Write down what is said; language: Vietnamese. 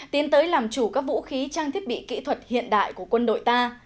tiến tới làm chủ các vũ khí trang thiết bị kỹ thuật hiện đại của quân đội ta